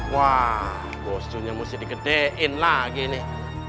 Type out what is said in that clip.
wah bosnya musti dikedekin lagi nih